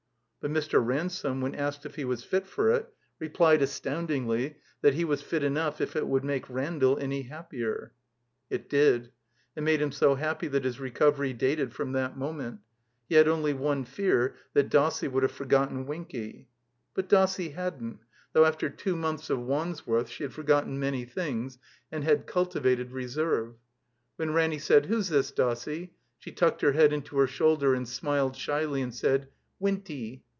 But Mr. Ransome, when asked if he was fit for it, replied astoundingly that he was fit enough if it would make Randall any happier. It did. It made him so happy that his recovery dated from that moment. He had only one fear, that Dossie would have forgotten Winky. But Dossie hadn't, though after two months of 306 THE COMBINED MAZE Wandsworth she had forgotten many things, and had cultivated reserve. When Ranny said, ''Who's this, Dossie?" she tucked her head into her shoulder and smiled shyly and said, " Winty."